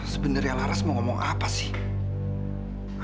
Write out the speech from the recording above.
sebenarnya laras mau ngomong apa sih